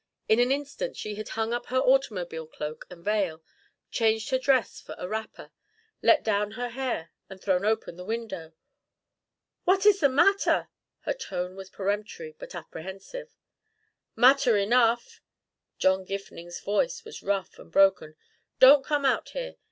In an instant she had hung up her automobile cloak and veil, changed her dress for a wrapper, let down her hair and thrown open the window. "What is the matter?" Her tone was peremptory but apprehensive. "Matter enough!" John Gifning's voice was rough and broken. "Don't come out here.